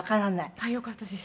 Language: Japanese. よかったです。